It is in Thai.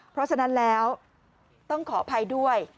เพราะฉะนั้นแล้วต้องขออภัยด้วย